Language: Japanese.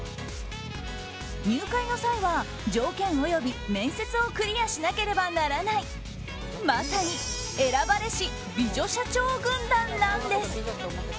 入会の際は、条件および面接をクリアしなければならないまさに選ばれし美女社長軍団なんです。